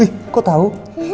wih kok tau